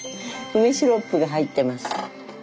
梅シロップが入ってます。